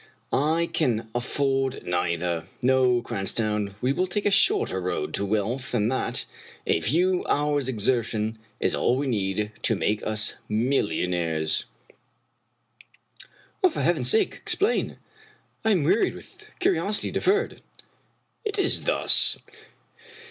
I can afford neither. No, Cranstoun, we will take a shorter road to wealth than that. A few hours' exertion is all we need to make us millionnaires" " For heaven's sake explain I I am wearied with curi osity deferred." " It is thus.